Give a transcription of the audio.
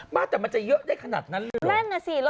มาจจะมันจะเยอะได้ขนาดนั้นหรือ